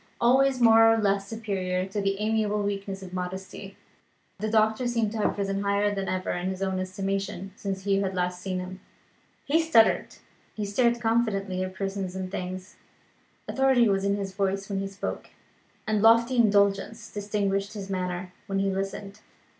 Always more or less superior to the amiable weakness of modesty, the doctor seemed to have risen higher than ever in his own estimation, since Hugh had last seen him. He strutted; he stared confidently at persons and things; authority was in his voice when he spoke, and lofty indulgence distinguished his manner when he listened.